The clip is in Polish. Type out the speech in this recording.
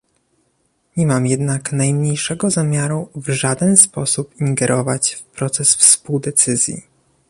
Nie mam jednak najmniejszego zamiaru w żaden sposób ingerować w proces współdecyzji